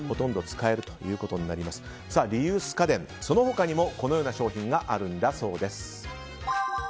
リユース家電、その他にもこのような商品があるんだそうです。